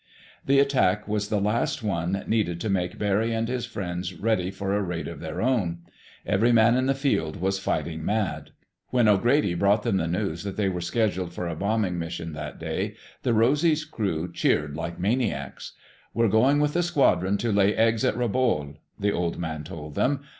The attack was the last thing needed to make Barry and his friends ready for a raid of their own. Every man in the field was fighting mad. When O'Grady brought them the news that they were scheduled for a bombing mission that day, the Rosy's crew cheered like maniacs. "We're going with the squadron to lay eggs on Rabaul," the Old Man told them.